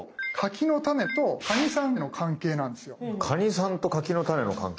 カニさんと柿の種の関係？